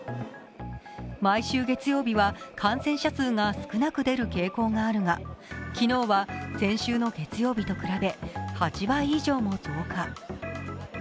毎週月曜日は感染者数が少なく出る傾向があるが昨日は先週の月曜日と比べ８倍以上も増加。